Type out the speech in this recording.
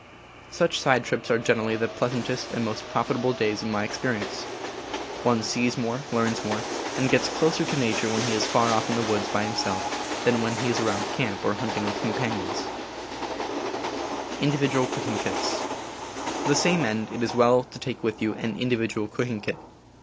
Such side trips are generally the pleasantest and most profitable days in my experience. One sees more, learns more, and gets closer to nature when he is far off in the woods by himself than when he is around camp or hunting with companions. To the same end it is well to take with you an indi vidual cooking kit.